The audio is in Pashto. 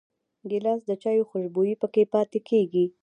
ګیلاس د چايو خوشبويي پکې پاتې کېږي.